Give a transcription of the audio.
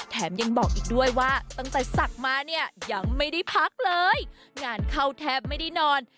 แถมยังบอกอีกด้วยว่าตั้งแต่ศักดิ์มาเนี่ยยังไม่ได้พักเลยงานเข้าแทบไม่ได้นอน